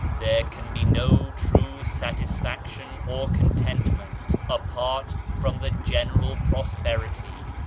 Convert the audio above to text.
There can be no true satisfaction or content ment apart from the general prosperity.